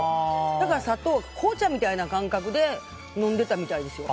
だから紅茶みたいな感覚で飲んでたみたいですよ。